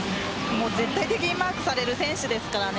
絶対的にマークされる選手ですからね。